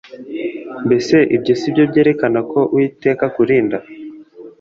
mbese ibyo si byo byerekana ko uwiteka akurinda